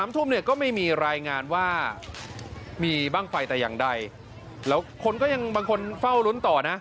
๓ธุ่มก็ไม่มีรายงานว่ามีบ้างไฟตายังใดแล้วบางคนก็ยังเฝ้าตอนนะ